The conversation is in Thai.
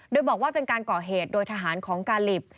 โดยบอกว่าเป็นการก่อเหตุโดยทหารของกาลิป